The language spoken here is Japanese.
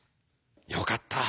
よかった。